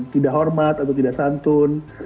tidak hormat atau tidak santun